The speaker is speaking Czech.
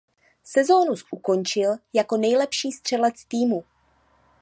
Sezónu ukončil jako nejlepší střelec týmu.